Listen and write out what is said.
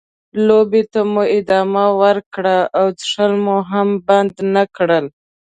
لوبې ته مو ادامه ورکړه او څښل مو هم بند نه کړل.